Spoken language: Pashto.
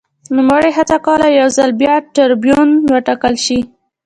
نوموړي هڅه کوله یو ځل بیا ټربیون وټاکل شي